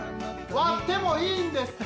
割ってもいいんですか？